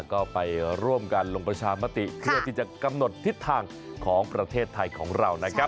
ก็ไปร่วมกันลงประชามติเพื่อที่จะกำหนดทิศทางของประเทศไทยของเรานะครับ